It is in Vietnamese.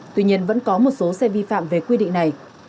tuy nhiên vẫn có một số xe vi phạm về quy định này